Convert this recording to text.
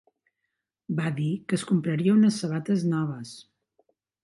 Va dir que es compraria unes sabates noves.